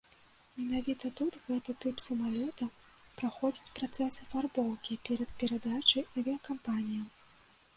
Менавіта тут гэты тып самалёта праходзіць працэс афарбоўкі перад перадачай авіякампаніям.